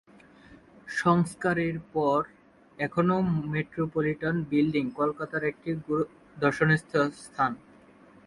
সংস্কারের পর এখনও মেট্রোপলিটান বিল্ডিং কলকাতার একটি গুরুত্বপূর্ণ দর্শনীয় স্থান।